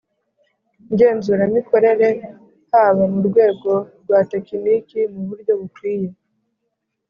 Ngenzuramikorere haba mu rwego rwa tekiniki mu buryo bukwiye